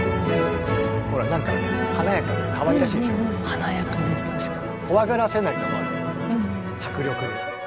華やかです確かに。